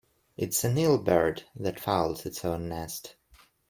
It's an ill bird that fouls its own nest.